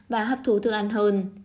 và hấp thú thức ăn hơn